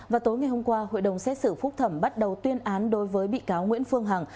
và tối ngày hôm qua hội đồng xét xử phúc thẩm bắt đầu tuyên án đối với bị cáo nguyễn phương hằng